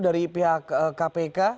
terlebih dahulu dari pihak kpk